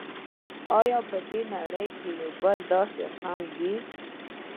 آیا په نړۍ کې به بل داسې قوم وي.